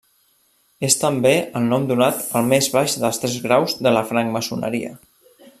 És també el nom donat al més baix dels tres graus de la francmaçoneria.